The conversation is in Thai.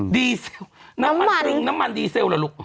ดีเซลน้ำมันตรึงน้ำมันดีเซลเหรอลูก